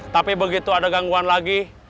tapi begitu ada gangguan lagi